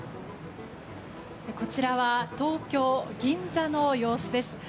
こちらは東京・銀座の様子です。